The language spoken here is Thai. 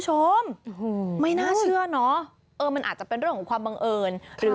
คุณผู้ชมไม่น่าเชื่อเนอะเออมันอาจจะเป็นเรื่องของความบังเอิญหรือ